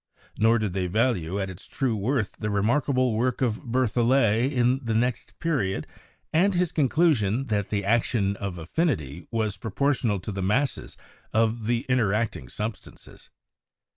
Nor did they value at its true worth the remarkable work of Berthollet in the next period and his conclusion that the action of affinity was proportional to the masses of the interacting substances.